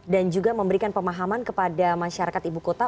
dan juga memberikan pemahaman kepada masyarakat ibu kota